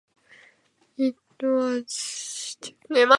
It was situated beside Prospect Creek, near Henry Lawson Drive.